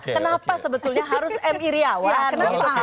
kenapa sebetulnya harus mi riawan